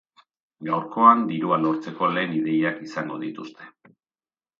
Gaurkoan, dirua lortzeko lehen ideiak izango dituzte.